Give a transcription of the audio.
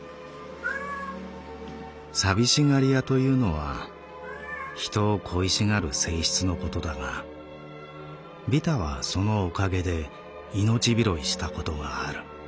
「寂しがり屋というのは人を恋しがる性質のことだがビタはそのおかげで命拾いしたことがある」。